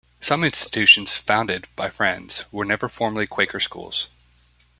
Some institutions founded by Friends were never formally Quaker schools.